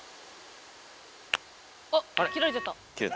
あっ切られちゃった。